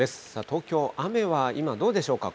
東京、雨は今、どうでしょうか。